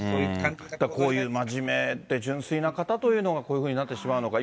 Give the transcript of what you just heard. こういう真面目で純粋な方というのが、こういうふうになってしまうのか。